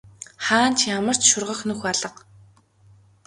Хаана ч ямар ч шургах нүх алга.